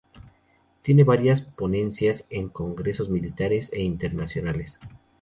Tiene varias ponencias en Congresos Militares Internacionales.